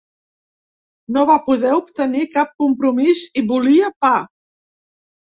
No va poder obtenir cap compromís i volia pa.